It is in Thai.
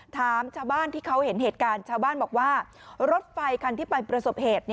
ถามชาวบ้านที่เขาเห็นเหตุการณ์ชาวบ้านบอกว่ารถไฟคันที่ไปประสบเหตุ